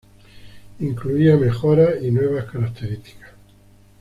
Incluía mejoras y nuevas características.